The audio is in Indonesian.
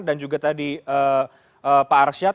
dan juga tadi pak arsyad